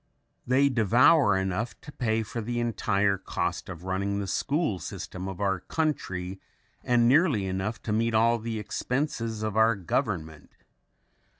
They devour enough to pay for the entire cost of running the school system of our country and nearly enough to meet all the expenses of our government.